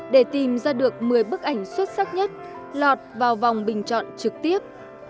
để tìm ra được một mươi bức ảnh xuất sắc nhất lọt vào vòng bình chọn trực tiếp